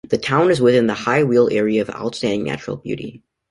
The town is within the High Weald Area of Outstanding Natural Beauty.